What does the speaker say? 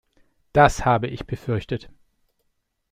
Das habe ich befürchtet.